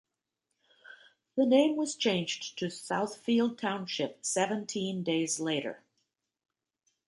The name was changed to Southfield Township seventeen days later.